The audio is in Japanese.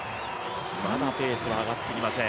まだペースは上がってきません。